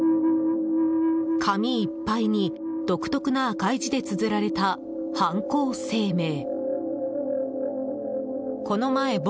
紙いっぱいに、独特な赤い字でつづられた犯行声明。